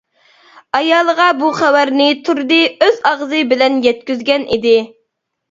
ئايالىغا بۇ خەۋەرنى تۇردى ئۆز ئاغزى بىلەن يەتكۈزگەن ئىدى.